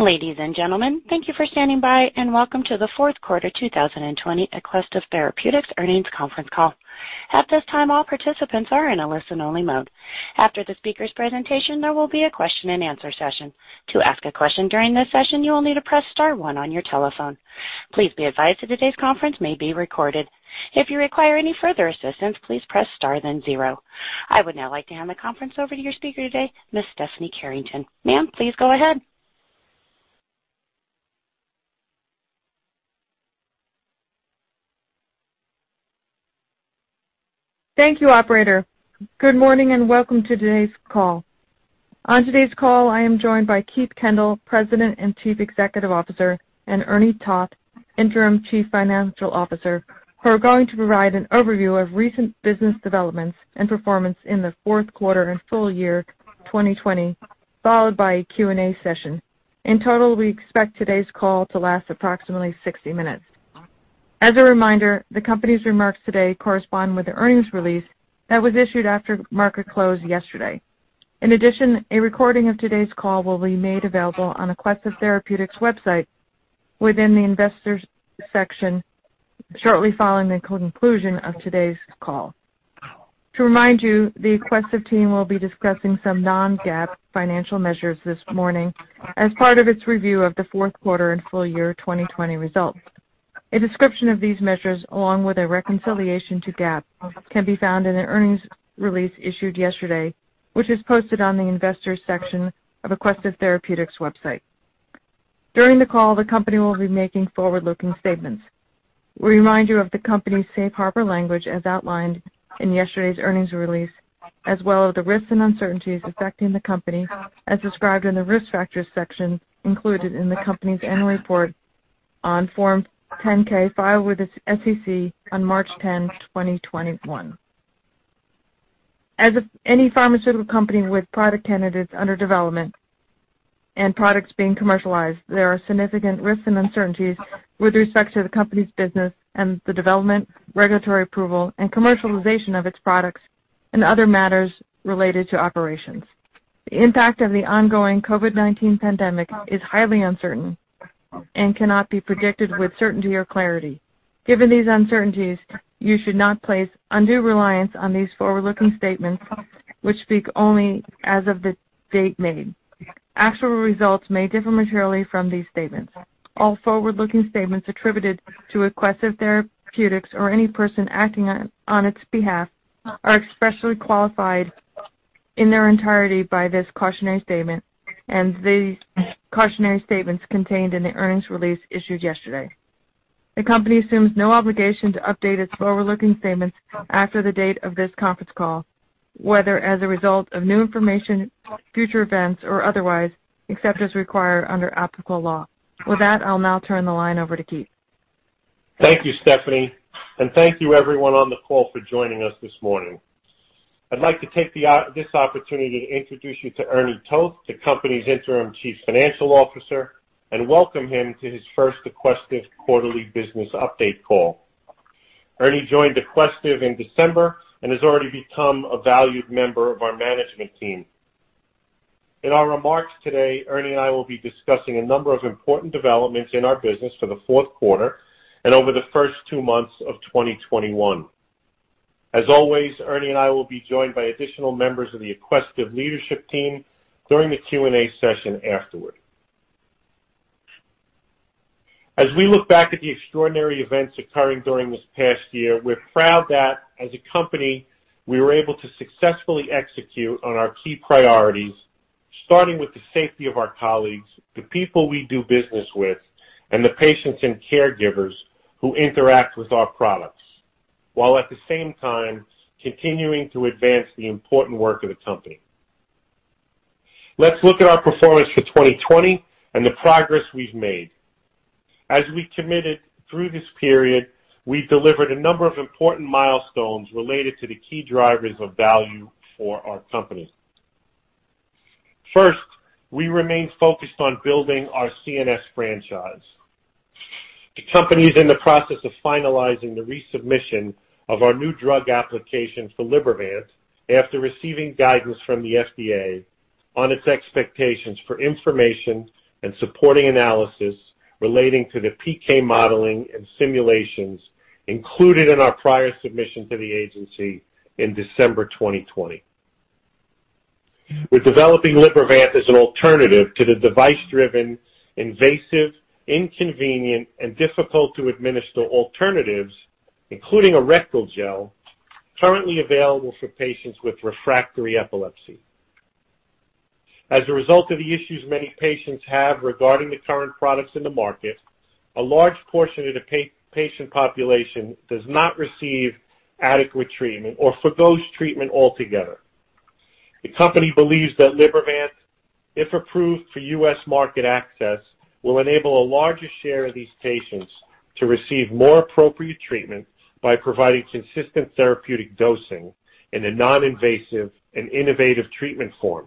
Ladies and gentlemen, thank you for standing by, and welcome to the Fourth Quarter 2020 Aquestive Therapeutics Earnings conference call. At this time, all participants are in a listen-only mode. After the speaker's presentation, there will be a question-and-answer session. Please be advised that today's conference may be recorded. I would now like to hand the conference over to your speaker today, Ms. Stephanie Carrington. Ma'am, please go ahead. Thank you, operator. Good morning, and welcome to today's call. On today's call, I am joined by Keith Kendall, President and Chief Executive Officer, and Ernie Toth, Interim Chief Financial Officer, who are going to provide an overview of recent business developments and performance in the fourth quarter and full year 2020, followed by a Q&A session. In total, we expect today's call to last approximately 60 minutes. As a reminder, the company's remarks today correspond with the earnings release that was issued after market close yesterday. In addition, a recording of today's call will be made available on Aquestive Therapeutics website within the investors section shortly following the conclusion of today's call. To remind you, the Aquestive team will be discussing some non-GAAP financial measures this morning as part of its review of the fourth quarter and full year 2020 results. A description of these measures, along with a reconciliation to GAAP, can be found in the earnings release issued yesterday, which is posted on the investors section of Aquestive Therapeutics website. During the call, the company will be making forward-looking statements. We remind you of the company's Safe Harbor language as outlined in yesterday's earnings release, as well as the risks and uncertainties affecting the company as described in the Risk Factors section included in the company's annual report on Form 10-K filed with the SEC on March 10th, 2021. As any pharmaceutical company with product candidates under development and products being commercialized, there are significant risks and uncertainties with respect to the company's business and the development, regulatory approval, and commercialization of its products and other matters related to operations. The impact of the ongoing COVID-19 pandemic is highly uncertain and cannot be predicted with certainty or clarity. Given these uncertainties, you should not place undue reliance on these forward-looking statements which speak only as of the date made. Actual results may differ materially from these statements. All forward-looking statements attributed to Aquestive Therapeutics or any person acting on its behalf are expressly qualified in their entirety by this cautionary statement and the cautionary statements contained in the earnings release issued yesterday. The company assumes no obligation to update its forward-looking statements after the date of this conference call, whether as a result of new information, future events, or otherwise, except as required under applicable law. With that, I'll now turn the line over to Keith. Thank you, Stephanie, and thank you everyone on the call for joining us this morning. I'd like to take this opportunity to introduce you to Ernie Toth, the company's Interim Chief Financial Officer, and welcome him to his first Aquestive quarterly business update call. Ernie joined Aquestive in December and has already become a valued member of our management team. In our remarks today, Ernie and I will be discussing a number of important developments in our business for the fourth quarter and over the first two months of 2021. As always, Ernie and I will be joined by additional members of the Aquestive leadership team during the Q&A session afterward. As we look back at the extraordinary events occurring during this past year, we're proud that as a company, we were able to successfully execute on our key priorities, starting with the safety of our colleagues, the people we do business with, and the patients and caregivers who interact with our products, while at the same time continuing to advance the important work of the company. Let's look at our performance for 2020 and the progress we've made. As we committed through this period, we've delivered a number of important milestones related to the key drivers of value for our company. First, we remain focused on building our CNS franchise. The company is in the process of finalizing the resubmission of our new drug application for Libervant after receiving guidance from the FDA on its expectations for information and supporting analysis relating to the PK modeling and simulations included in our prior submission to the agency in December 2020. We're developing Libervant as an alternative to the device-driven, invasive, inconvenient, and difficult to administer alternatives, including a rectal gel currently available for patients with refractory epilepsy. As a result of the issues many patients have regarding the current products in the market, a large portion of the patient population does not receive adequate treatment or forgoes treatment altogether. The company believes that Libervant, if approved for U.S. market access, will enable a larger share of these patients to receive more appropriate treatment by providing consistent therapeutic dosing in a non-invasive and innovative treatment form.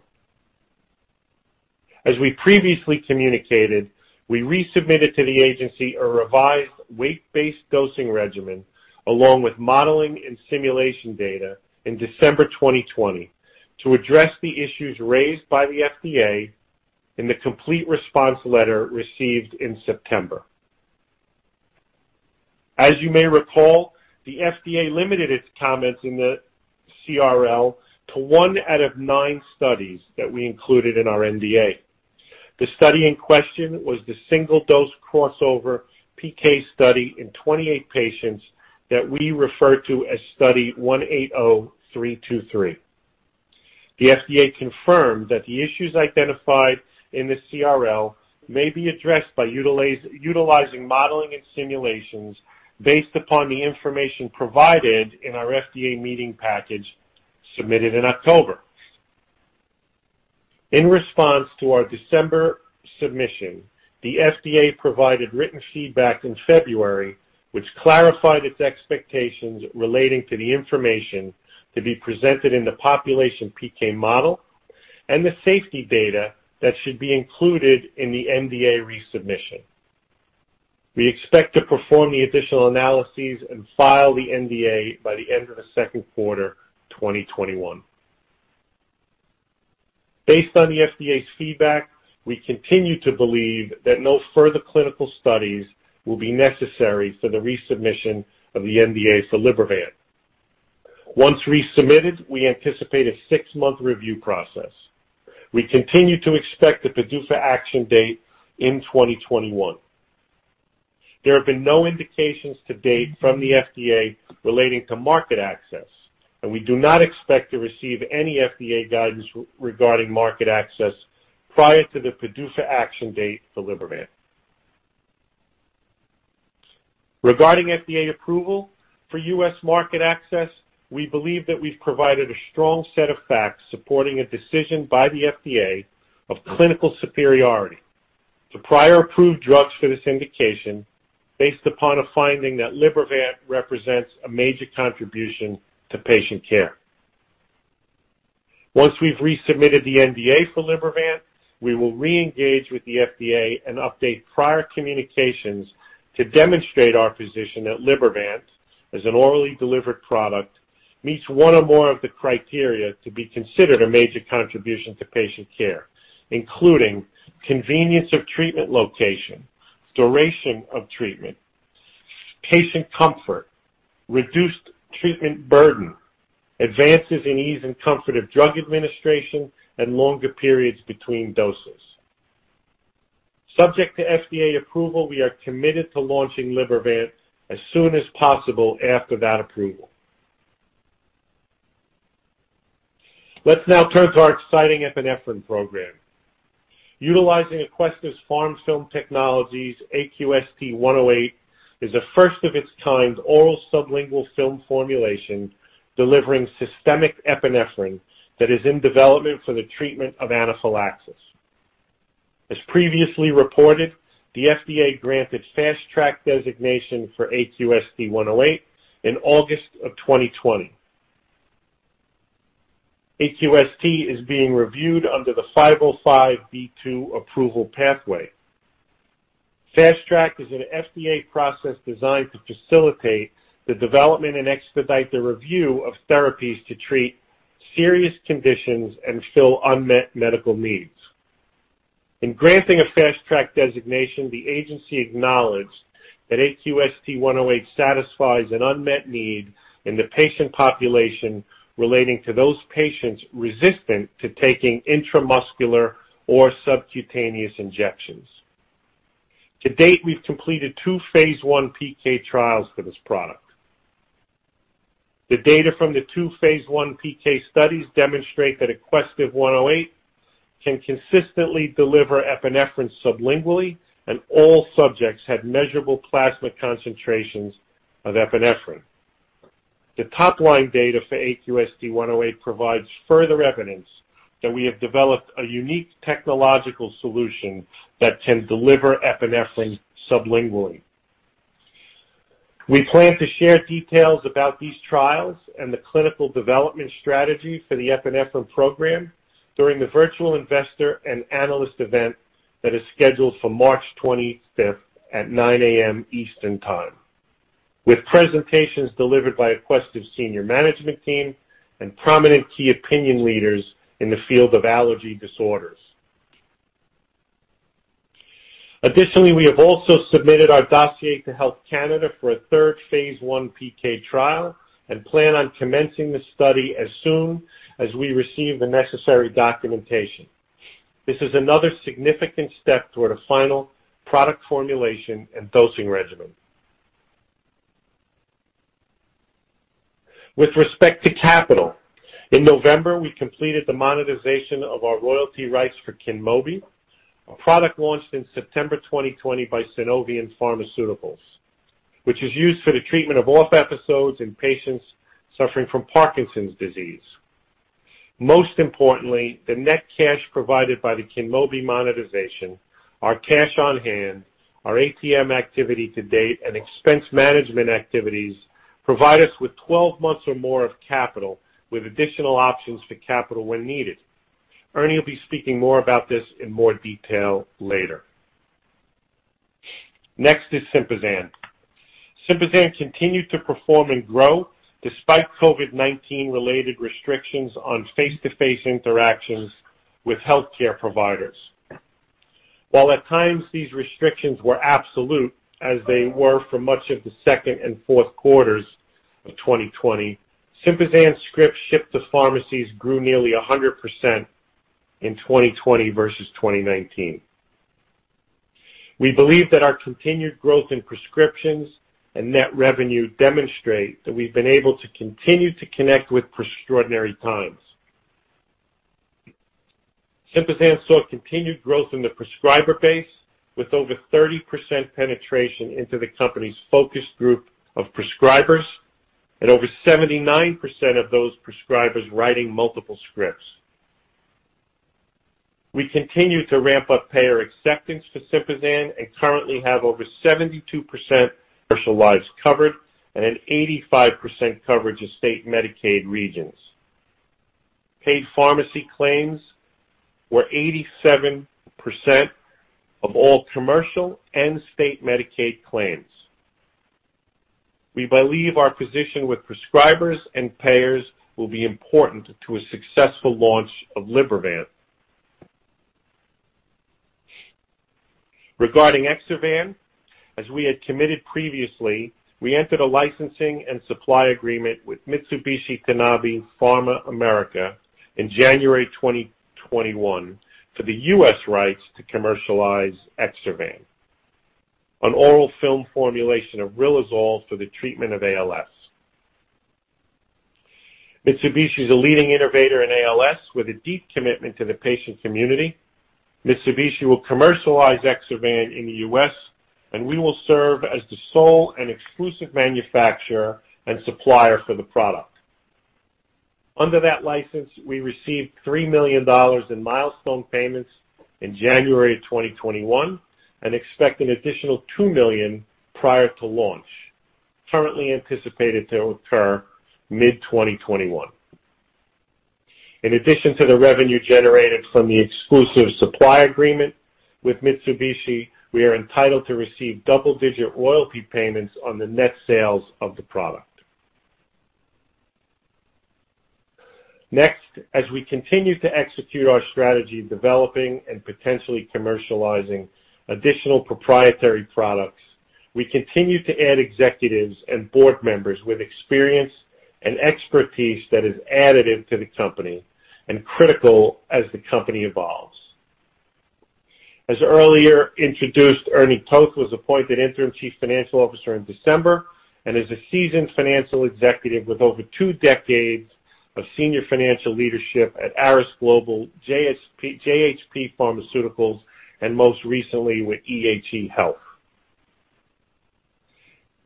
As we previously communicated, we resubmitted to the agency a revised weight-based dosing regimen along with modeling and simulation data in December 2020 to address the issues raised by the FDA in the complete response letter received in September. As you may recall, the FDA limited its comments in the CRL to one out of nine studies that we included in our NDA. The study in question was the single-dose crossover PK study in 28 patients that we refer to as Study 180323. The FDA confirmed that the issues identified in the CRL may be addressed by utilizing modeling and simulations based upon the information provided in our FDA meeting package submitted in October. In response to our December submission, the FDA provided written feedback in February, which clarified its expectations relating to the information to be presented in the population PK model and the safety data that should be included in the NDA resubmission. We expect to perform the additional analyses and file the NDA by the end of the second quarter 2021. Based on the FDA's feedback, we continue to believe that no further clinical studies will be necessary for the resubmission of the NDA for Libervant. Once resubmitted, we anticipate a six-month review process. We continue to expect the PDUFA action date in 2021. There have been no indications to date from the FDA relating to market access, and we do not expect to receive any FDA guidance regarding market access prior to the PDUFA action date for Libervant. Regarding FDA approval for U.S. Market access, we believe that we've provided a strong set of facts supporting a decision by the FDA of clinical superiority to prior approved drugs for this indication, based upon a finding that Libervant represents a major contribution to patient care. Once we've resubmitted the NDA for Libervant, we will re-engage with the FDA and update prior communications to demonstrate our position that Libervant, as an orally delivered product, meets one or more of the criteria to be considered a major contribution to patient care, including convenience of treatment location, duration of treatment, patient comfort, reduced treatment burden, advances in ease and comfort of drug administration, and longer periods between doses. Subject to FDA approval, we are committed to launching Libervant as soon as possible after that approval. Let's now turn to our exciting epinephrine program. Utilizing Aquestive's PharmFilm technologies, AQST-108 is a first-of-its-kind oral sublingual film formulation delivering systemic epinephrine that is in development for the treatment of anaphylaxis. As previously reported, the FDA granted Fast Track designation for AQST-108 in August of 2020. AQST is being reviewed under the 505(b)(2) approval pathway. Fast Track is an FDA process designed to facilitate the development and expedite the review of therapies to treat serious conditions and fill unmet medical needs. In granting a Fast Track designation, the agency acknowledged that AQST-108 satisfies an unmet need in the patient population relating to those patients resistant to taking intramuscular or subcutaneous injections. To date, we've completed two phase I PK trials for this product. The data from the two phase I PK studies demonstrate that AQST-108 can consistently deliver epinephrine sublingually, and all subjects had measurable plasma concentrations of epinephrine. The top-line data for AQST-108 provides further evidence that we have developed a unique technological solution that can deliver epinephrine sublingually. We plan to share details about these trials and the clinical development strategy for the epinephrine program during the virtual investor and analyst event that is scheduled for March 25th at 9:00 A.M. Eastern Time, with presentations delivered by Aquestive's senior management team and prominent key opinion leaders in the field of allergy disorders. We have also submitted our dossier to Health Canada for a third phase I PK trial and plan on commencing the study as soon as we receive the necessary documentation. This is another significant step toward a final product formulation and dosing regimen. With respect to capital, in November, we completed the monetization of our royalty rights for KYNMOBI, a product launched in September 2020 by Sunovion Pharmaceuticals, which is used for the treatment of OFF episodes in patients suffering from Parkinson's disease. Most importantly, the net cash provided by the KYNMOBI monetization, our cash on hand, our ATM activity to date, and expense management activities provide us with 12 months or more of capital with additional options for capital when needed. Ernie will be speaking more about this in more detail later. Next is SYMPAZAN. SYMPAZAN continued to perform and grow despite COVID-19 related restrictions on face-to-face interactions with healthcare providers. While at times these restrictions were absolute, as they were for much of the second and fourth quarters of 2020, SYMPAZAN scripts shipped to pharmacies grew nearly 100% in 2020 versus 2019. We believe that our continued growth in prescriptions and net revenue demonstrate that we've been able to continue to connect with extraordinary times. SYMPAZAN saw continued growth in the prescriber base with over 30% penetration into the company's focus group of prescribers and over 79% of those prescribers writing multiple scripts. We continue to ramp up payer acceptance for SYMPAZAN and currently have over 72% commercial lives covered and an 85% coverage of state Medicaid regions. Paid pharmacy claims were 87% of all commercial and state Medicaid claims. We believe our position with prescribers and payers will be important to a successful launch of Libervant. Regarding EXSERVAN, as we had committed previously, we entered a licensing and supply agreement with Mitsubishi Tanabe Pharma America in January 2021 for the U.S. rights to commercialize EXSERVAN, an oral film formulation of riluzole for the treatment of ALS. Mitsubishi is a leading innovator in ALS with a deep commitment to the patient community. Mitsubishi will commercialize EXSERVAN in the U.S., and we will serve as the sole and exclusive manufacturer and supplier for the product. Under that license, we received $3 million in milestone payments in January 2021 and expect an additional $2 million prior to launch, currently anticipated to occur mid-2021. In addition to the revenue generated from the exclusive supply agreement with Mitsubishi, we are entitled to receive double-digit royalty payments on the net sales of the product. As we continue to execute our strategy of developing and potentially commercializing additional proprietary products, we continue to add executives and board members with experience and expertise that is additive to the company and critical as the company evolves. As earlier introduced, Ernie Toth was appointed Interim Chief Financial Officer in December and is a seasoned financial executive with over two decades of senior financial leadership at ArisGlobal, JHP Pharmaceuticals, and most recently with EHE Health.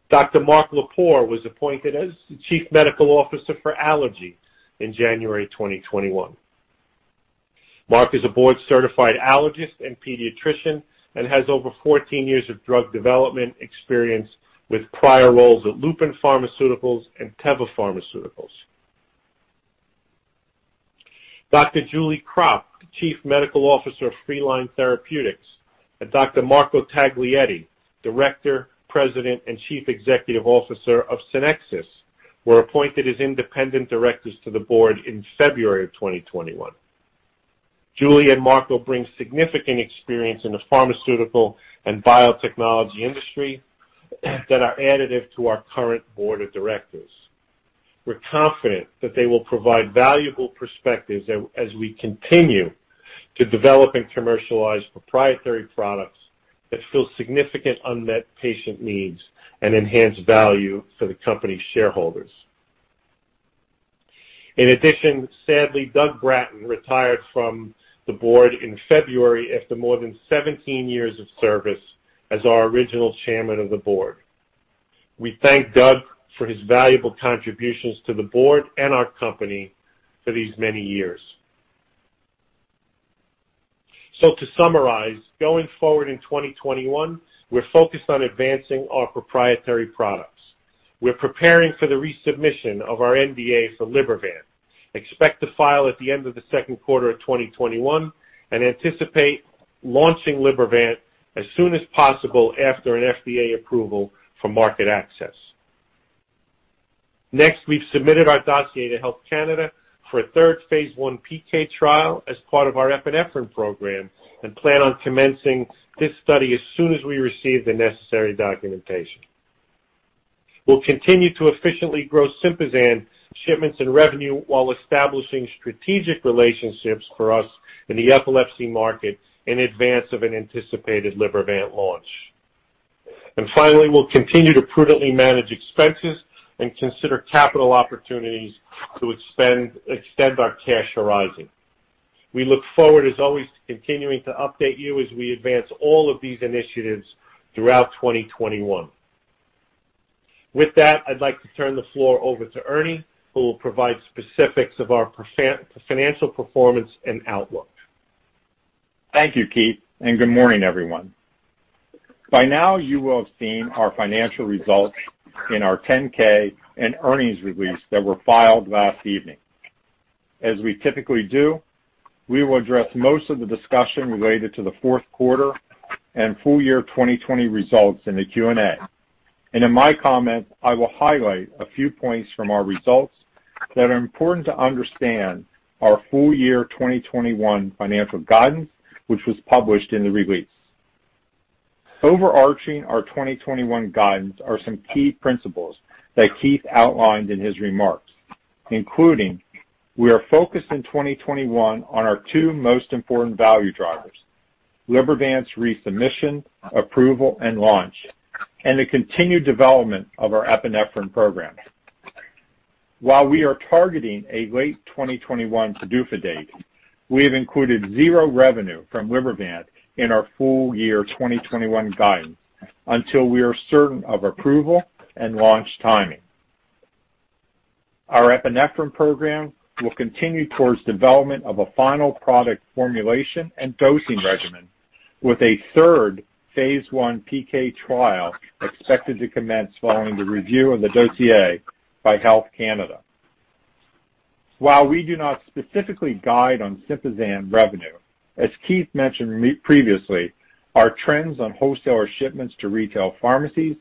Dr. Mark Lepore was appointed as the Chief Medical Officer for Allergy in January 2021. Mark is a board-certified allergist and pediatrician and has over 14 years of drug development experience with prior roles at Lupin Pharmaceuticals and Teva Pharmaceuticals. Dr. Julie Krop, Chief Medical Officer of Freeline Therapeutics, and Dr. Marco Taglietti, Director, President, and Chief Executive Officer of Scynexis, were appointed as independent directors to the board in February of 2021. Julie and Marco bring significant experience in the pharmaceutical and biotechnology industry that are additive to our current board of directors. We're confident that they will provide valuable perspectives as we continue to develop and commercialize proprietary products that fill significant unmet patient needs and enhance value for the company's shareholders. In addition, sadly, Doug Bratton retired from the board in February after more than 17 years of service as our original chairman of the board. We thank Doug for his valuable contributions to the board and our company for these many years. To summarize, going forward in 2021, we're focused on advancing our proprietary products. We're preparing for the resubmission of our NDA for Libervant, expect to file at the end of the second quarter of 2021, and anticipate launching Libervant as soon as possible after an FDA approval for market access. Next, we've submitted our dossier to Health Canada for a third phase I PK trial as part of our epinephrine program and plan on commencing this study as soon as we receive the necessary documentation. We'll continue to efficiently grow SYMPAZAN shipments and revenue while establishing strategic relationships for us in the epilepsy market in advance of an anticipated Libervant launch. Finally, we'll continue to prudently manage expenses and consider capital opportunities to extend our cash horizon. We look forward, as always, to continuing to update you as we advance all of these initiatives throughout 2021. With that, I'd like to turn the floor over to Ernie, who will provide specifics of our financial performance and outlook. Thank you, Keith. Good morning, everyone. By now, you will have seen our financial results in our 10-K and earnings release that were filed last evening. As we typically do, we will address most of the discussion related to the fourth quarter and full year 2020 results in the Q&A. In my comments, I will highlight a few points from our results that are important to understand our full year 2021 financial guidance, which was published in the release. Overarching our 2021 guidance are some key principles that Keith outlined in his remarks, including we are focused in 2021 on our two most important value drivers, Libervant's resubmission, approval, and launch, and the continued development of our epinephrine program. While we are targeting a late 2021 PDUFA date, we have included $0 revenue from Libervant in our full year 2021 guidance until we are certain of approval and launch timing. Our epinephrine program will continue towards development of a final product formulation and dosing regimen with a third phase I PK trial expected to commence following the review of the dossier by Health Canada. We do not specifically guide on SYMPAZAN revenue, as Keith mentioned previously, our trends on wholesaler shipments to retail pharmacies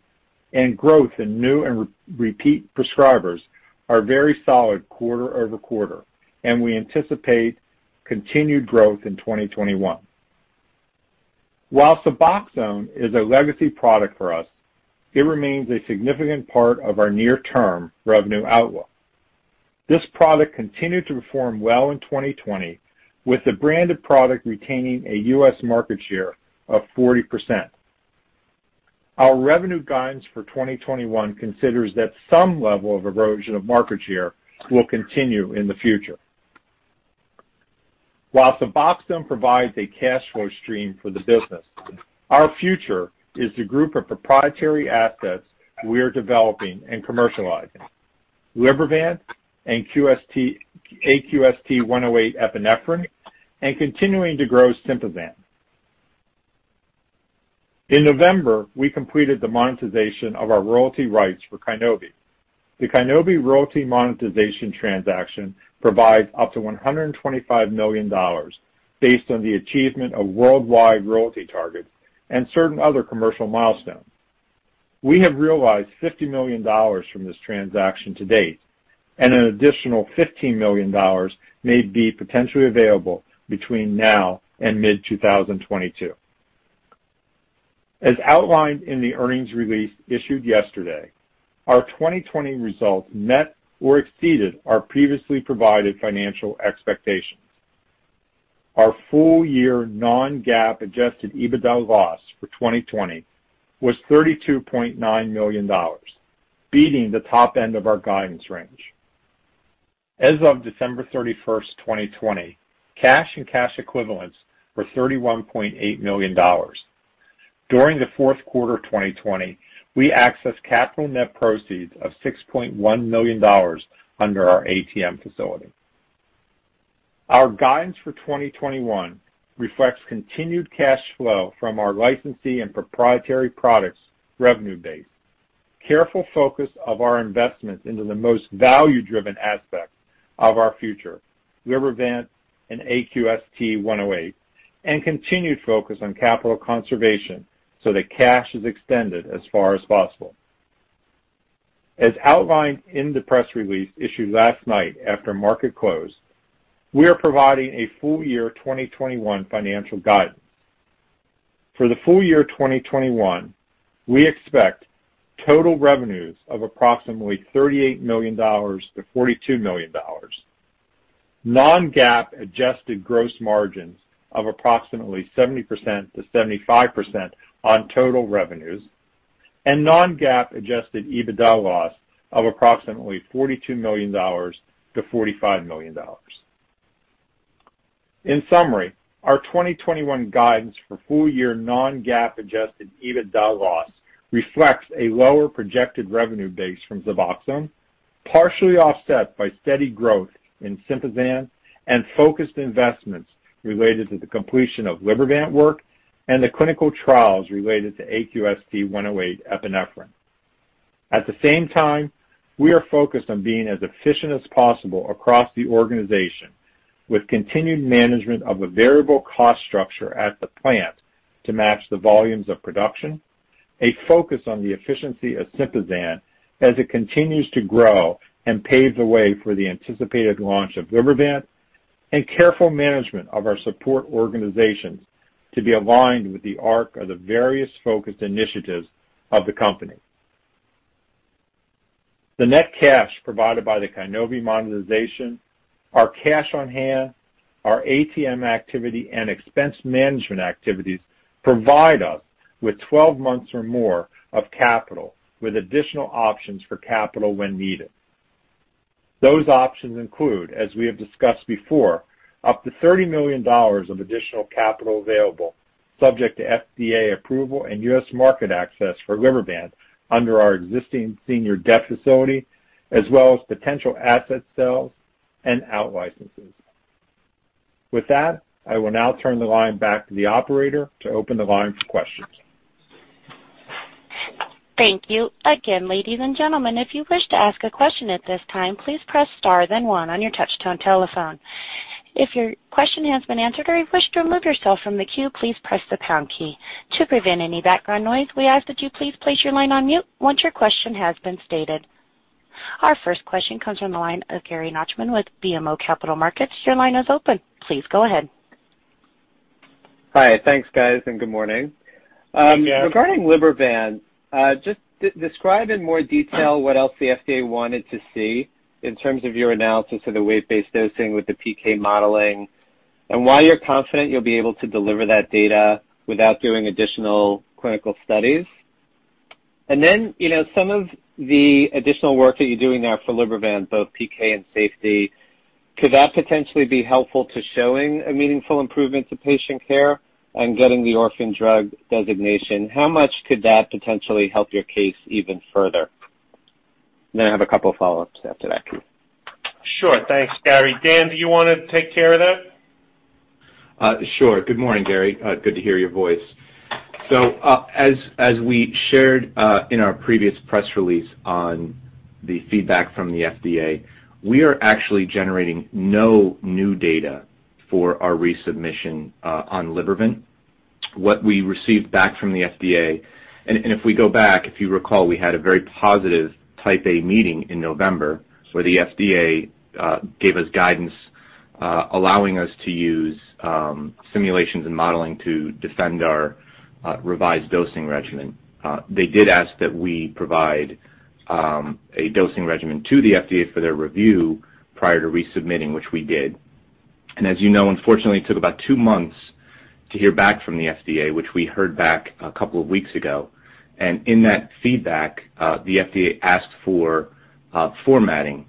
and growth in new and repeat prescribers are very solid quarter-over-quarter, and we anticipate continued growth in 2021. SUBOXONE is a legacy product for us, it remains a significant part of our near-term revenue outlook. This product continued to perform well in 2020, with the branded product retaining a U.S. market share of 40%. Our revenue guidance for 2021 considers that some level of erosion of market share will continue in the future. While SUBOXONE provides a cash flow stream for the business, our future is the group of proprietary assets we are developing and commercializing, Libervant and AQST-108 epinephrine, and continuing to grow SYMPAZAN. In November, we completed the monetization of our royalty rights for KYNMOBI. The KYNMOBI royalty monetization transaction provides up to $125 million based on the achievement of worldwide royalty targets and certain other commercial milestones. We have realized $50 million from this transaction to date, and an additional $15 million may be potentially available between now and mid-2022. As outlined in the earnings release issued yesterday, our 2020 results met or exceeded our previously provided financial expectations. Our full year non-GAAP adjusted EBITDA loss for 2020 was $32.9 million, beating the top end of our guidance range. As of December 31st, 2020, cash and cash equivalents were $31.8 million. During the fourth quarter of 2020, we accessed capital net proceeds of $6.1 million under our ATM facility. Our guidance for 2021 reflects continued cash flow from our licensee and proprietary products revenue base, careful focus of our investments into the most value-driven aspects of our future, Libervant and AQST-108, and continued focus on capital conservation so that cash is extended as far as possible. As outlined in the press release issued last night after market close, we are providing a full-year 2021 financial guidance. For the full year 2021, we expect total revenues of approximately $38 million-$42 million, non-GAAP adjusted gross margins of approximately 70%-75% on total revenues, and non-GAAP adjusted EBITDA loss of approximately $42 million-$45 million. In summary, our 2021 guidance for full-year non-GAAP adjusted EBITDA loss reflects a lower projected revenue base from SUBOXONE, partially offset by steady growth in SYMPAZAN and focused investments related to the completion of Libervant work and the clinical trials related to AQST-108 epinephrine. At the same time, we are focused on being as efficient as possible across the organization with continued management of a variable cost structure at the plant to match the volumes of production, a focus on the efficiency of SYMPAZAN as it continues to grow and paves the way for the anticipated launch of Libervant, and careful management of our support organizations to be aligned with the arc of the various focused initiatives of the company. The net cash provided by the KYNMOBI monetization, our cash on hand, our ATM activity, and expense management activities provide us with 12 months or more of capital with additional options for capital when needed. Those options include, as we have discussed before, up to $30 million of additional capital available, subject to FDA approval and U.S. market access for Libervant under our existing senior debt facility, as well as potential asset sales and out licenses. With that, I will now turn the line back to the operator to open the line for questions. Thank you. Again, ladies and gentlemen, if you wish to ask a question at this time, please press star then one on your touch tone telephone. If your question has been answered or you wish to remove yourself from the queue, please press the pound key. To prevent any background noise, we ask that you place your line on mute once your question has been stated. Our first question comes from the line of Gary Nachman with BMO Capital Markets. Your line is open. Please go ahead. Hi. Thanks, guys, and good morning. Hey, Gary. Regarding Libervant, just describe in more detail what else the FDA wanted to see in terms of your analysis of the weight-based dosing with the PK modeling and why you're confident you'll be able to deliver that data without doing additional clinical studies. Some of the additional work that you're doing now for Libervant, both PK and safety, could that potentially be helpful to showing a meaningful improvement to patient care and getting the orphan drug designation? How much could that potentially help your case even further? I have a couple of follow-ups after that, too. Sure. Thanks, Gary. Dan, do you want to take care of that? Sure. Good morning, Gary. Good to hear your voice. As we shared in our previous press release on the feedback from the FDA, we are actually generating no new data for our resubmission on Libervant. If we go back, if you recall, we had a very positive Type A meeting in November where the FDA gave us guidance, allowing us to use simulations and modeling to defend our revised dosing regimen. They did ask that we provide a dosing regimen to the FDA for their review prior to resubmitting, which we did. As you know, unfortunately, it took about two months to hear back from the FDA, which we heard back a couple of weeks ago. In that feedback, the FDA asked for formatting,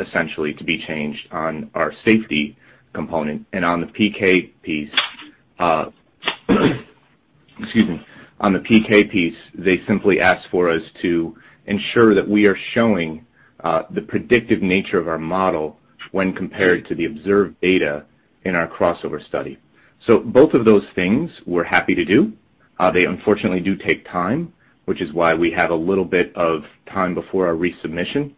essentially, to be changed on our safety component and on the PK piece. Excuse me. On the PK piece, they simply asked for us to ensure that we are showing the predictive nature of our model when compared to the observed data in our crossover study. Both of those things we're happy to do. They unfortunately do take time, which is why we have a little bit of time before our resubmission.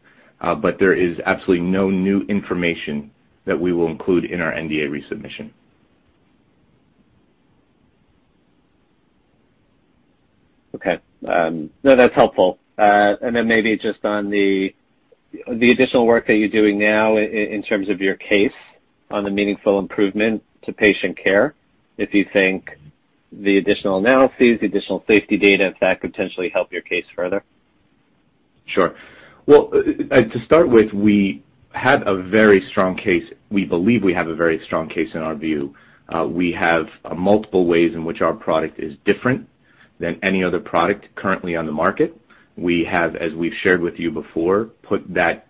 There is absolutely no new information that we will include in our NDA resubmission. Okay. No, that's helpful. Maybe just on the additional work that you're doing now in terms of your case on the meaningful improvement to patient care, if you think the additional analyses, the additional safety data, if that could potentially help your case further. Sure. Well, to start with, we believe we have a very strong case in our view. We have multiple ways in which our product is different than any other product currently on the market. We have, as we've shared with you before, put that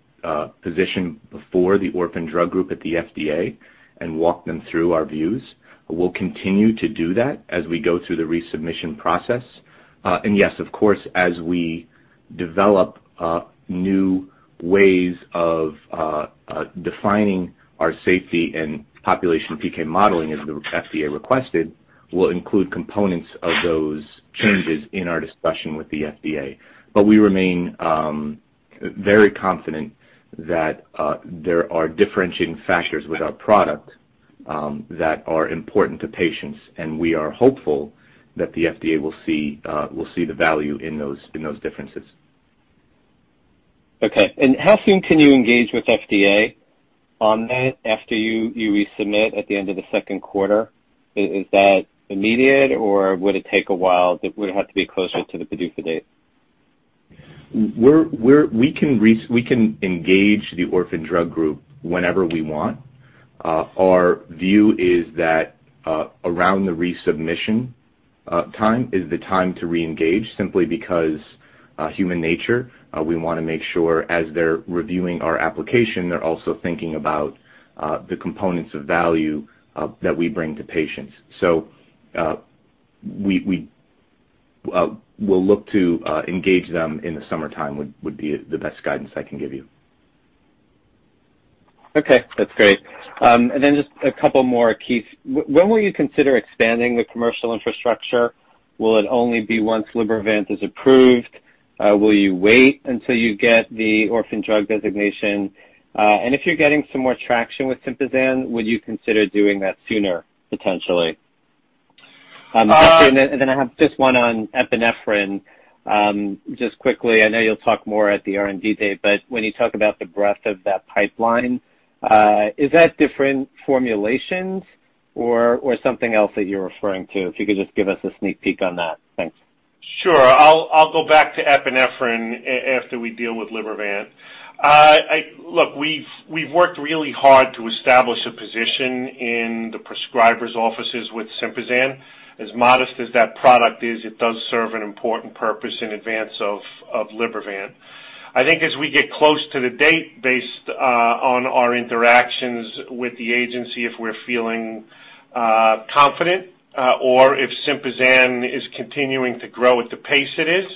position before the orphan drug group at the FDA and walked them through our views. We'll continue to do that as we go through the resubmission process. Yes, of course, as we develop new ways of defining our safety and population PK modeling as the FDA requested, we'll include components of those changes in our discussion with the FDA. We remain very confident that there are differentiating factors with our product that are important to patients, and we are hopeful that the FDA will see the value in those differences. Okay. How soon can you engage with FDA on that after you resubmit at the end of the second quarter? Is that immediate, or would it take a while? Would it have to be closer to the PDUFA date? We can engage the orphan drug group whenever we want. Our view is that around the resubmission time is the time to reengage simply because human nature, we want to make sure as they're reviewing our application, they're also thinking about the components of value that we bring to patients. We'll look to engage them in the summertime, would be the best guidance I can give you. Okay, that's great. Just a couple more, Keith. When will you consider expanding the commercial infrastructure? Will it only be once Libervant is approved? Will you wait until you get the orphan drug designation? If you're getting some more traction with SYMPAZAN, would you consider doing that sooner, potentially? Uh- I have just one on epinephrine. Just quickly, I know you'll talk more at the R&D date, when you talk about the breadth of that pipeline, is that different formulations or something else that you're referring to? If you could just give us a sneak peek on that. Thanks. Sure. I'll go back to epinephrine after we deal with Libervant. Look, we've worked really hard to establish a position in the prescribers' offices with SYMPAZAN. As modest as that product is, it does serve an important purpose in advance of Libervant. I think as we get close to the date based on our interactions with the agency, if we're feeling confident, or if SYMPAZAN is continuing to grow at the pace it is,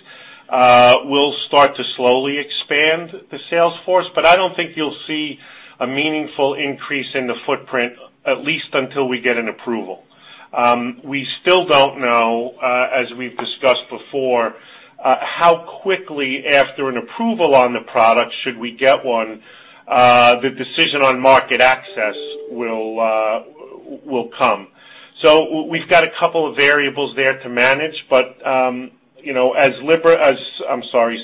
we'll start to slowly expand the sales force. I don't think you'll see a meaningful increase in the footprint, at least until we get an approval. We still don't know, as we've discussed before, how quickly after an approval on the product, should we get one, the decision on market access will come. We've got a couple of variables there to manage, but as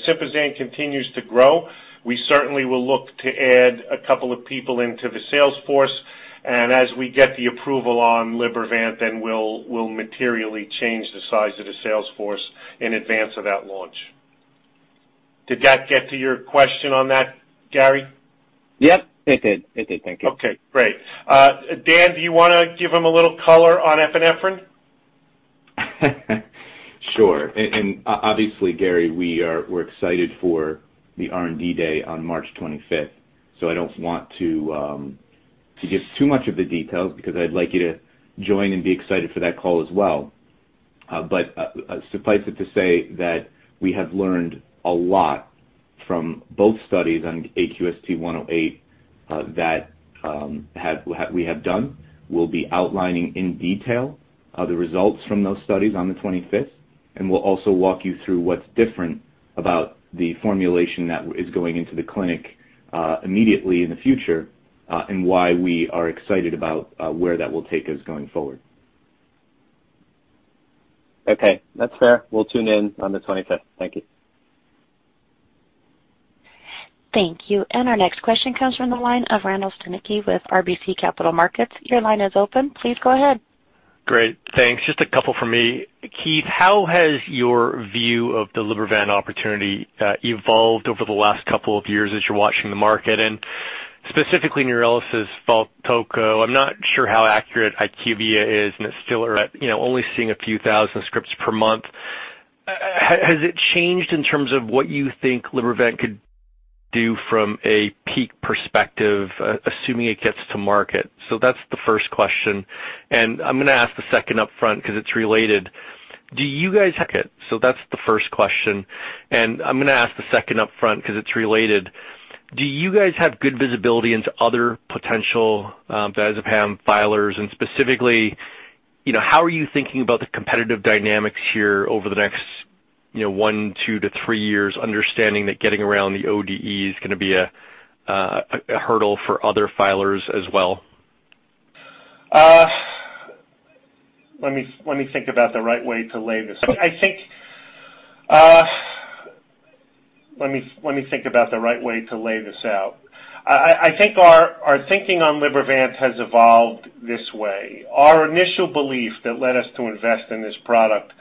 SYMPAZAN continues to grow, we certainly will look to add a couple of people into the sales force. As we get the approval on Libervant, then we'll materially change the size of the sales force in advance of that launch. Did that get to your question on that, Gary? Yep, it did. Thank you. Okay, great. Dan, do you want to give him a little color on epinephrine? Sure. Obviously, Gary, we're excited for the R&D day on March 25th. I don't want to give too much of the details because I'd like you to join and be excited for that call as well. Suffice it to say that we have learned a lot from both studies on AQST-108 that we have done. We'll be outlining in detail the results from those studies on the 25th, we'll also walk you through what's different about the formulation that is going into the clinic immediately in the future and why we are excited about where that will take us going forward. Okay, that's fair. We'll tune in on the 25th. Thank you. Thank you. Our next question comes from the line of Randall Stanicky with RBC Capital Markets. Your line is open. Please go ahead. Great. Thanks. Just two from me. Keith, how has your view of the Libervant opportunity evolved over the last two years as you're watching the market, specifically, Neurelis's VALTOCO? I'm not sure how accurate IQVIA is, and it's still only seeing a few thousand scripts per month. Has it changed in terms of what you think Libervant could do from a peak perspective, assuming it gets to market? That's the first question, and I'm going to ask the second up front because it's related. Do you guys have good visibility into other potential diazepam filers? Specifically, how are you thinking about the competitive dynamics here over the next one, two to three years, understanding that getting around the ODE is going to be a hurdle for other filers as well? Let me think about the right way to lay this out. I think our thinking on Libervant has evolved this way. Our initial belief that led us to invest in this product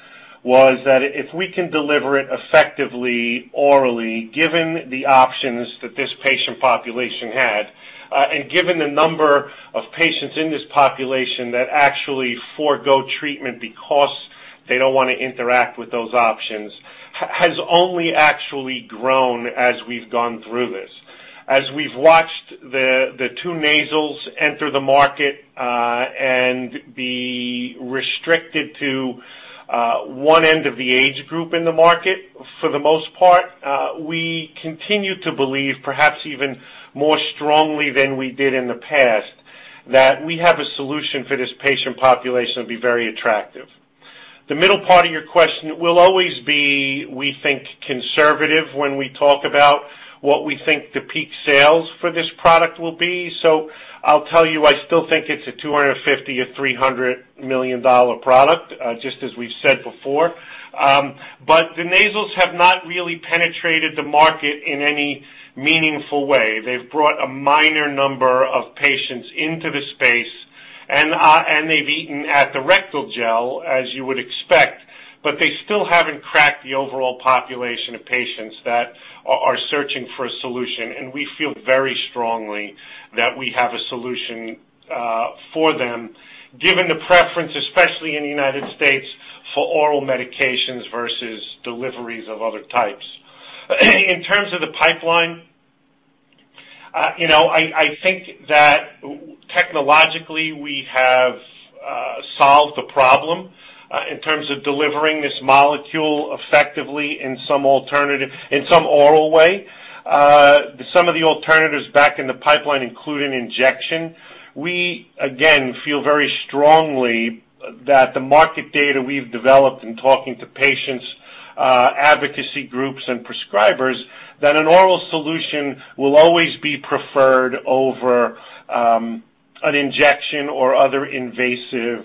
was that if we can deliver it effectively orally, given the options that this patient population had, and given the number of patients in this population that actually forego treatment because they don't want to interact with those options, has only actually grown as we've gone through this. As we've watched the two nasals enter the market and be restricted to one end of the age group in the market, for the most part, we continue to believe, perhaps even more strongly than we did in the past, that we have a solution for this patient population that would be very attractive. The middle part of your question will always be, we think, conservative when we talk about what we think the peak sales for this product will be. I still think it's a $250 million or $300 million product, just as we've said before. The nasals have not really penetrated the market in any meaningful way. They've brought a minor number of patients into the space, and they've eaten at the rectal gel, as you would expect, but they still haven't cracked the overall population of patients that are searching for a solution. We feel very strongly that we have a solution for them, given the preference, especially in the U.S., for oral medications versus deliveries of other types. In terms of the pipeline, I think that technologically, we have solved the problem in terms of delivering this molecule effectively in some oral way. Some of the alternatives back in the pipeline include an injection. We, again, feel very strongly that the market data we've developed in talking to patients, advocacy groups, and prescribers, that an oral solution will always be preferred over an injection or other invasive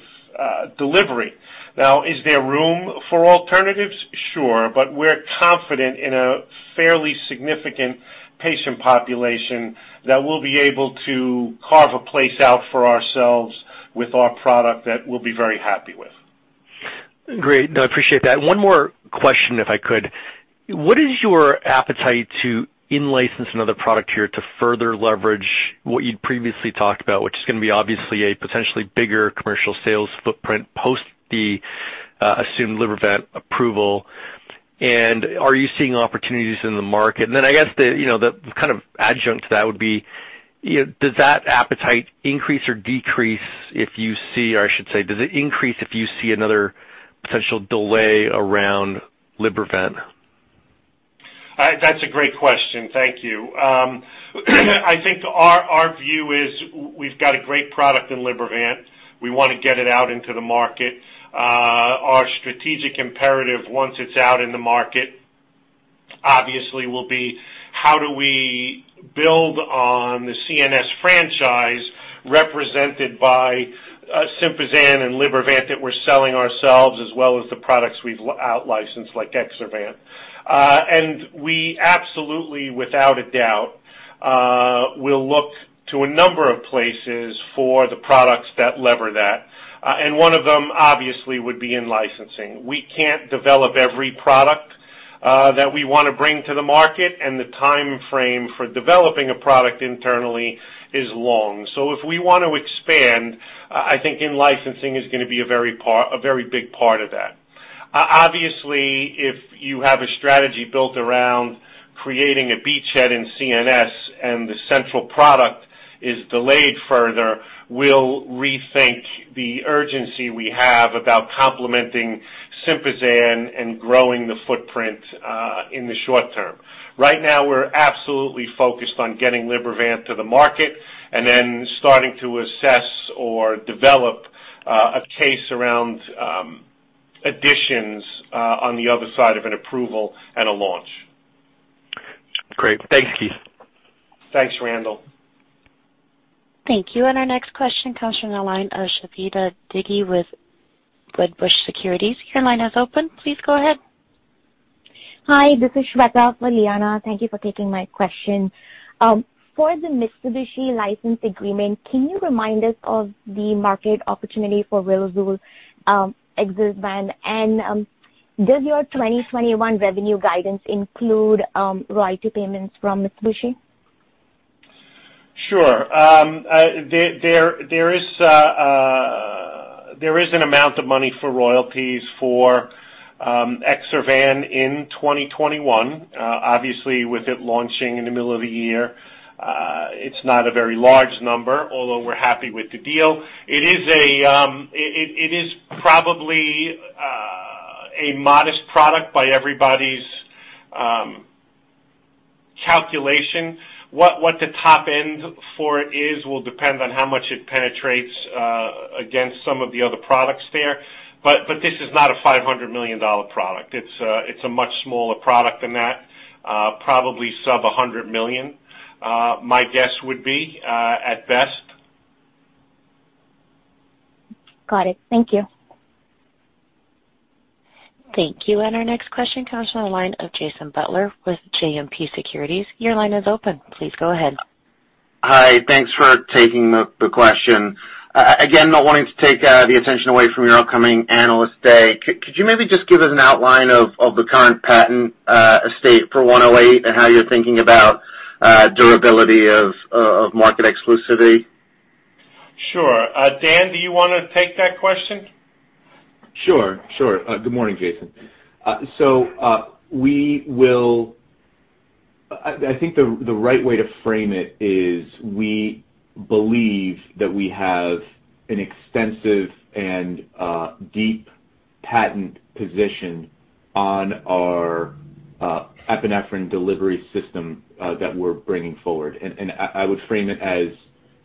delivery. Now, is there room for alternatives? Sure. We're confident in a fairly significant patient population that we'll be able to carve a place out for ourselves with our product that we'll be very happy with. Great. No, I appreciate that. One more question, if I could. What is your appetite to in-license another product here to further leverage what you'd previously talked about, which is going to be obviously a potentially bigger commercial sales footprint post the assumed Libervant approval. Are you seeing opportunities in the market? Then I guess the kind of adjunct to that would be, does that appetite increase or decrease if you see, or I should say, does it increase if you see another potential delay around Libervant? That's a great question. Thank you. I think our view is we've got a great product in Libervant. We want to get it out into the market. Our strategic imperative, once it's out in the market, obviously, will be how do we build on the CNS franchise represented by SYMPAZAN and Libervant that we're selling ourselves, as well as the products we've out-licensed, like EXSERVAN. We absolutely, without a doubt, will look to a number of places for the products that lever that. One of them, obviously, would be in-licensing. We can't develop every product that we want to bring to the market, and the timeframe for developing a product internally is long. If we want to expand, I think in-licensing is going to be a very big part of that. Obviously, if you have a strategy built around creating a beachhead in CNS and the central product is delayed further, we'll rethink the urgency we have about complementing SYMPAZAN and growing the footprint in the short term. Right now, we're absolutely focused on getting Libervant to the market and then starting to assess or develop a case around additions on the other side of an approval and a launch. Great. Thanks, Keith. Thanks, Randall. Thank you. Our next question comes from the line of [Shakira Tigi] with Wedbush Securities. Your line is open. Please go ahead. Hi, this is Shweta [Forliana]. Thank you for taking my question. For the Mitsubishi license agreement, can you remind us of the market opportunity for riluzole, EXSERVAN, and does your 2021 revenue guidance include royalty payments from Mitsubishi? Sure. There is an amount of money for royalties for EXSERVAN in 2021. Obviously, with it launching in the middle of the year, it's not a very large number, although we're happy with the deal. It is probably a modest product by everybody's calculation. What the top end for it is will depend on how much it penetrates against some of the other products there. This is not a $500 million product. It's a much smaller product than that. Probably sub-$100 million, my guess would be, at best. Got it. Thank you. Thank you. Our next question comes from the line of Jason Butler with JMP Securities. Your line is open. Please go ahead. Hi. Thanks for taking the question. Again, not wanting to take the attention away from your upcoming Analyst Day, could you maybe just give us an outline of the current patent estate for 108 and how you're thinking about durability of market exclusivity? Sure. Dan, do you want to take that question? Sure. Good morning, Jason. I think the right way to frame it is we believe that we have an extensive and deep patent position on our epinephrine delivery system that we're bringing forward. I would frame it as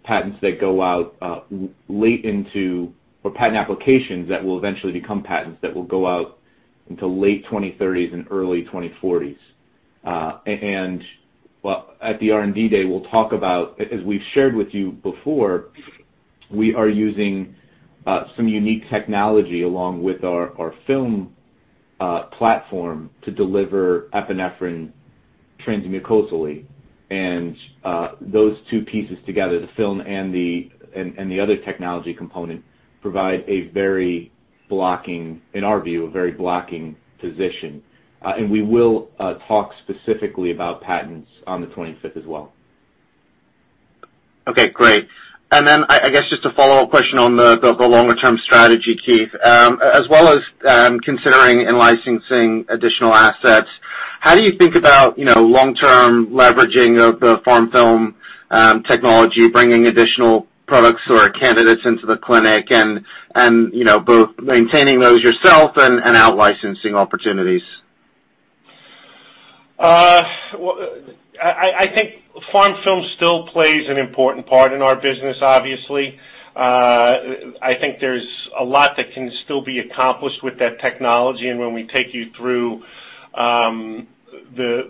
patents that go out late into patent applications that will eventually become patents that will go out into late 2030s and early 2040s. At the R&D Day, we'll talk about, as we've shared with you before, we are using some unique technology along with our film platform to deliver epinephrine transmucosally. Those two pieces together, the film and the other technology component, provide, in our view, a very blocking position. We will talk specifically about patents on the 25th as well. Okay, great. I guess just a follow-up question on the longer-term strategy, Keith. As well as considering and licensing additional assets, how do you think about long-term leveraging of the PharmFilm technology, bringing additional products or candidates into the clinic and both maintaining those yourself and out-licensing opportunities? I think PharmFilm still plays an important part in our business, obviously. I think there's a lot that can still be accomplished with that technology. When we take you through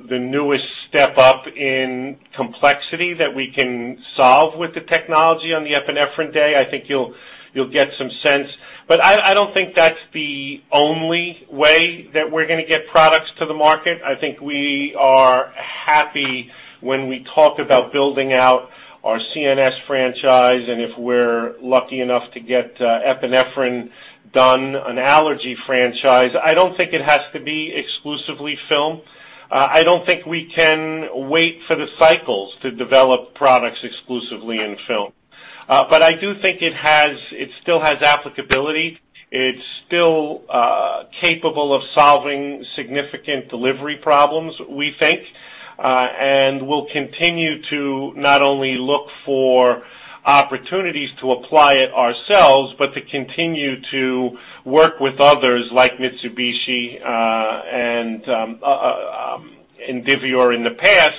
the newest step up in complexity that we can solve with the technology on the epinephrine day, I think you'll get some sense. I don't think that's the only way that we're going to get products to the market. I think we are happy when we talk about building out our CNS franchise, and if we're lucky enough to get epinephrine done, an allergy franchise. I don't think it has to be exclusively film. I don't think we can wait for the cycles to develop products exclusively in film. I do think it still has applicability. It's still capable of solving significant delivery problems, we think. We'll continue to not only look for opportunities to apply it ourselves, but to continue to work with others like Mitsubishi and Indivior in the past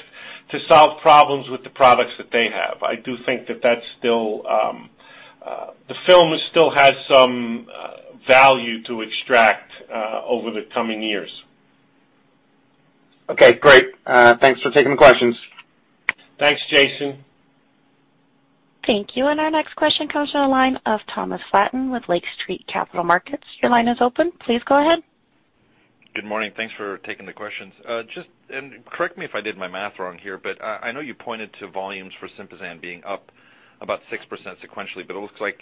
to solve problems with the products that they have. I do think that the film still has some value to extract over the coming years. Okay, great. Thanks for taking the questions. Thanks, Jason. Thank you. Our next question comes from the line of Thomas Flaten with Lake Street Capital Markets. Your line is open. Please go ahead. Good morning. Thanks for taking the questions. Correct me if I did my math wrong here, but I know you pointed to volumes for SYMPAZAN being up about 6% sequentially, but it looks like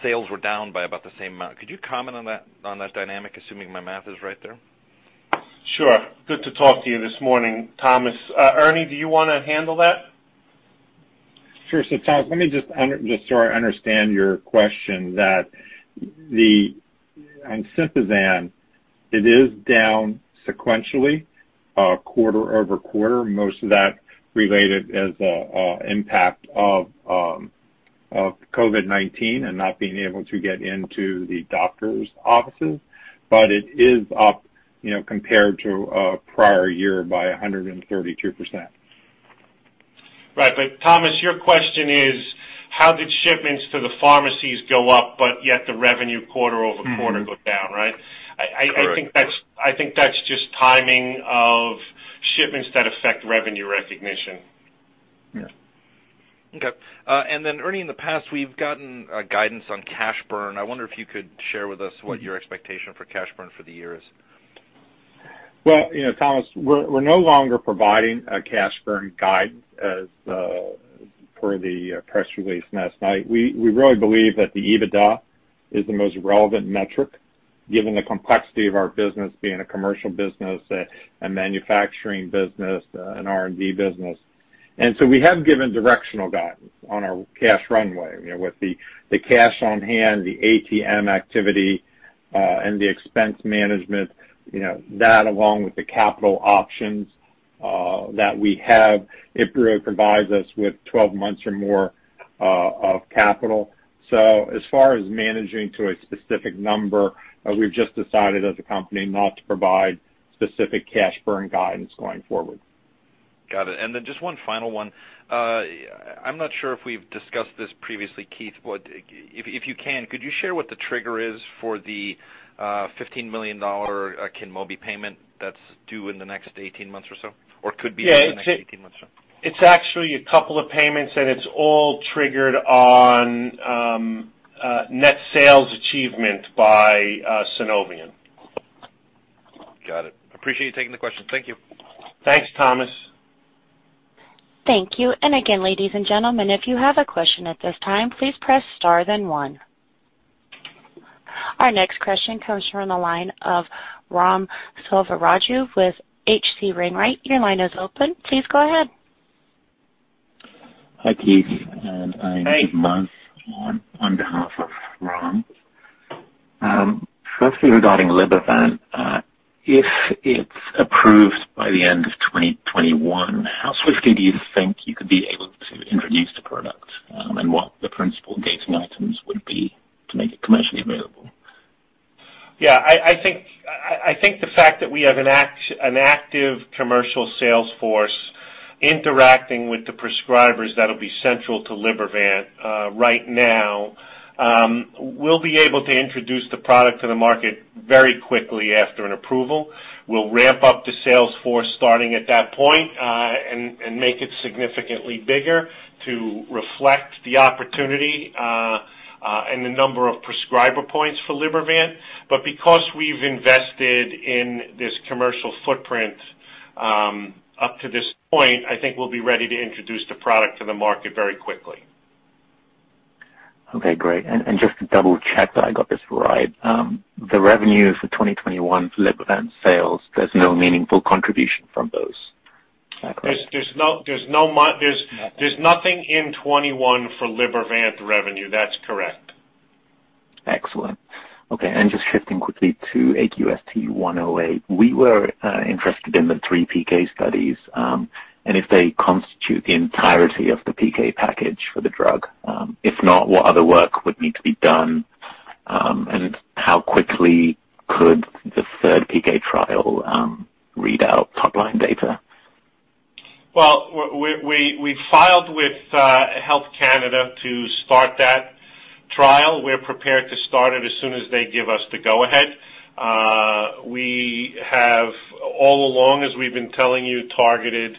sales were down by about the same amount. Could you comment on that dynamic, assuming my math is right there? Sure. Good to talk to you this morning, Thomas. Ernie, do you want to handle that? Sure. So, Thomas, I understand your question that on SYMPAZAN, it is down sequentially, quarter-over-quarter, most of that related as an impact of COVID-19 and not being able to get into the doctor's offices. It is up compared to prior year by 132%. Right. Thomas, your question is how did shipments to the pharmacies go up, yet the revenue quarter-over-quarter? Go down, right? Correct. I think that's just timing of shipments that affect revenue recognition. Yeah. Okay. Ernie, in the past, we've gotten a guidance on cash burn. I wonder if you could share with us what your expectation for cash burn for the year is. Thomas, we're no longer providing a cash burn guide as per the press release last night. We really believe that the EBITDA is the most relevant metric, given the complexity of our business being a commercial business, a manufacturing business, an R&D business. We have given directional guidance on our cash runway. With the cash on hand, the ATM activity, and the expense management, that along with the capital options that we have, it really provides us with 12 months or more of capital. As far as managing to a specific number, we've just decided as a company not to provide specific cash burn guidance going forward. Got it. Just one final one. I'm not sure if we've discussed this previously, Keith, but if you can, could you share what the trigger is for the $15 million KYNMOBI payment that's due in the next 18 months or so? Or could be due in the next 18 months or so. It's actually a couple of payments, and it's all triggered on net sales achievement by Sunovion. Got it. Appreciate you taking the question. Thank you. Thanks, Thomas. Thank you. Again, ladies and gentlemen, if you have a question at this time, please press star then one. Our next question comes from the line of Ram Selvaraju with H.C. Wainwright. Your line is open. Please go ahead. Hi, Keith. Hey. I'm [Manth] on behalf of Ram. Firstly, regarding Libervant, if it's approved by the end of 2021, how swiftly do you think you could be able to introduce the product, and what the principal gating items would be to make it commercially available? Yeah, I think the fact that we have an active commercial sales force interacting with the prescribers that'll be central to Libervant right now, we'll be able to introduce the product to the market very quickly after an approval. We'll ramp up the sales force starting at that point, make it significantly bigger to reflect the opportunity, and the number of prescriber points for Libervant. Because we've invested in this commercial footprint, up to this point, I think we'll be ready to introduce the product to the market very quickly. Okay, great. Just to double check that I got this right, the revenue for 2021 Libervant sales, there's no meaningful contribution from those. Is that correct? There's nothing in 2021 for Libervant revenue. That's correct. Excellent. Okay, just shifting quickly to AQST-108, we were interested in the three PK studies, if they constitute the entirety of the PK package for the drug. If not, what other work would need to be done? How quickly could the third PK trial read out top-line data? Well, we filed with Health Canada to start that trial. We're prepared to start it as soon as they give us the go ahead. We have all along, as we've been telling you, targeted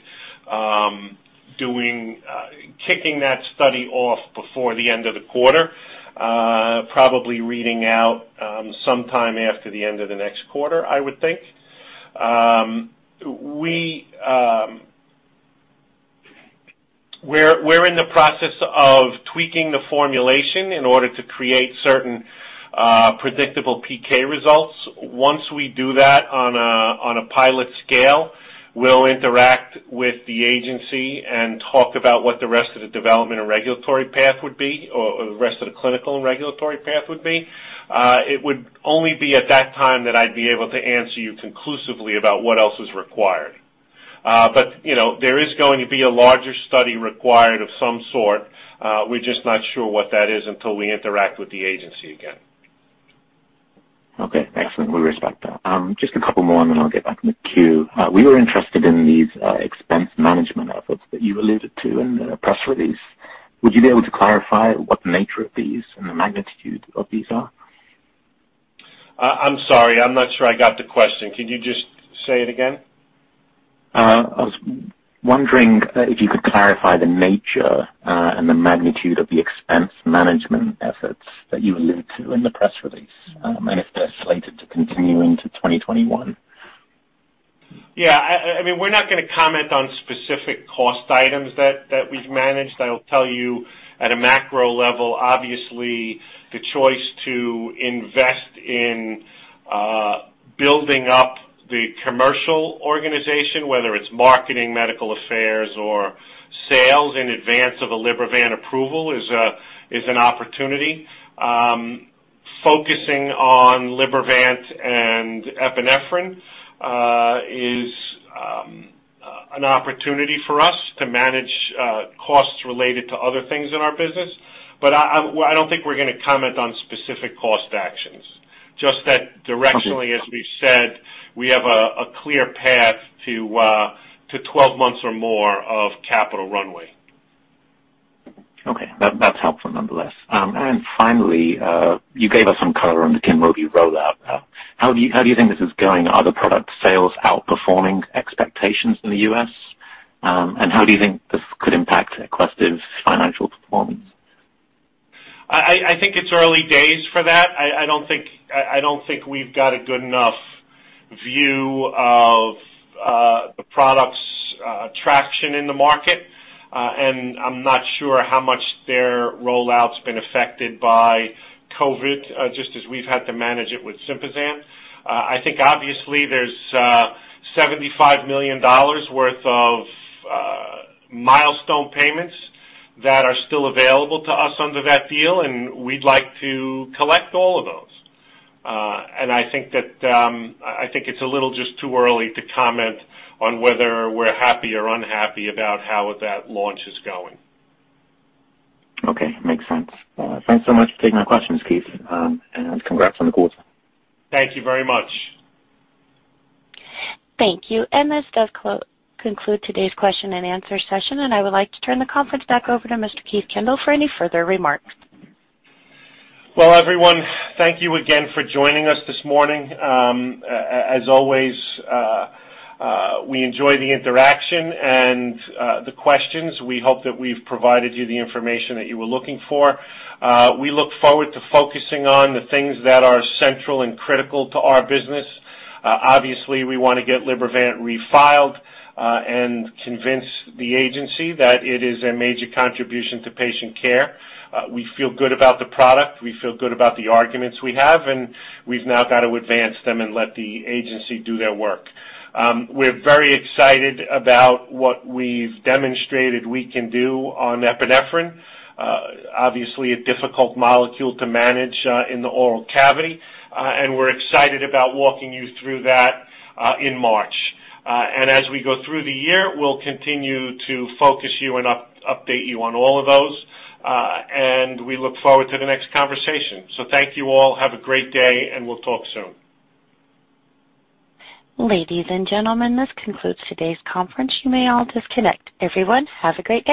kicking that study off before the end of the quarter. Probably reading out sometime after the end of the next quarter, I would think. We're in the process of tweaking the formulation in order to create certain predictable PK results. Once we do that on a pilot scale, we'll interact with the agency and talk about what the rest of the development and regulatory path would be, or the rest of the clinical and regulatory path would be. It would only be at that time that I'd be able to answer you conclusively about what else is required. There is going to be a larger study required of some sort. We're just not sure what that is until we interact with the agency again. Okay. Excellent. We respect that. Just a couple more, and then I'll get back in the queue. We were interested in these expense management efforts that you alluded to in the press release. Would you be able to clarify what the nature of these and the magnitude of these are? I'm sorry, I'm not sure I got the question. Can you just say it again? I was wondering if you could clarify the nature and the magnitude of the expense management efforts that you allude to in the press release, and if they're slated to continue into 2021? Yeah. We're not going to comment on specific cost items that we've managed. I will tell you at a macro level, obviously, the choice to invest in building up the commercial organization, whether it's marketing, medical affairs, or sales in advance of a Libervant approval is an opportunity. Focusing on Libervant and epinephrine is an opportunity for us to manage costs related to other things in our business. I don't think we're going to comment on specific cost actions. Just that directionally, as we've said, we have a clear path to 12 months or more of capital runway. Okay. That's helpful, nonetheless. Finally, you gave us some color on the KYNMOBI rollout. How do you think this is going? Are the product sales outperforming expectations in the U.S.? How do you think this could impact Aquestive's financial performance? I think it's early days for that. I don't think we've got a good enough view of the product's traction in the market, and I'm not sure how much their rollout's been affected by COVID, just as we've had to manage it with SYMPAZAN. I think obviously there's $75 million worth of milestone payments that are still available to us under that deal, and we'd like to collect all of those. I think it's a little just too early to comment on whether we're happy or unhappy about how that launch is going. Okay. Makes sense. Thanks so much for taking my questions, Keith, and congrats on the quarter. Thank you very much. Thank you. This does conclude today's question and answer session, and I would like to turn the conference back over to Mr. Keith Kendall for any further remarks. Well, everyone, thank you again for joining us this morning. As always, we enjoy the interaction and the questions. We hope that we've provided you the information that you were looking for. We look forward to focusing on the things that are central and critical to our business. Obviously, we want to get Libervant refiled and convince the agency that it is a major contribution to patient care. We feel good about the product. We feel good about the arguments we have, and we've now got to advance them and let the agency do their work. We're very excited about what we've demonstrated we can do on epinephrine. Obviously, a difficult molecule to manage in the oral cavity. We're excited about walking you through that in March. As we go through the year, we'll continue to focus you and update you on all of those. We look forward to the next conversation. Thank you all. Have a great day, and we'll talk soon. Ladies and gentlemen, this concludes today's conference. You may all disconnect. Everyone, have a great day.